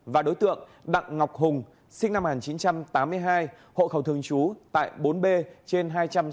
và đối tượng đặng ngọc hùng sinh năm một nghìn chín trăm tám mươi hai hộ khẩu thường trú tại bốn b trên hai trăm sáu mươi